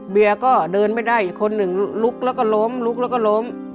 เบียร์ก็เดินไม่ได้อีกคนหนึ่งลุกแล้วก็ล้มลุกแล้วก็ล้ม